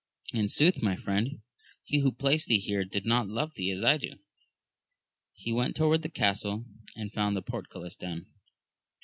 In sooth, my friend, he who placed thee here did not love thee as I do. He went toward the castle, and found the portcullis down.